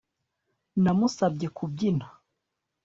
Namusabye kubyina